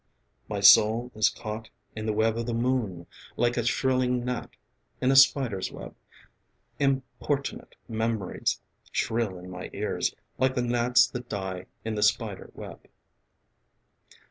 My soul is caught in the web of the moon, Like a shrilling gnat in a spider's web. Importunate memories shrill in my ears Like the gnats that die in the spider web.